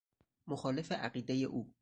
مخالف عقیده او